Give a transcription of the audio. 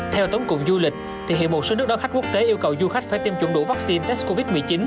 theo tổng cụng du lịch thì hiện một số nước đón khách quốc tế yêu cầu du khách phải tiêm chủng đủ vaccine test covid một mươi chín